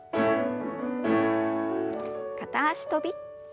片脚跳び。